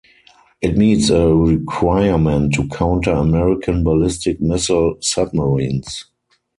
It meets a requirement to counter American ballistic missile submarines.